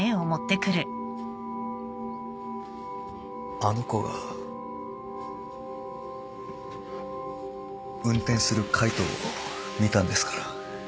あの子が運転する海藤を見たんですから。